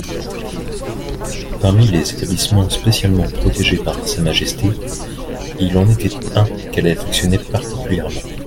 Parmi les établissemens spécialement protégés par Sa Majesté, il en était un qu'elle affectionnait particulièrement.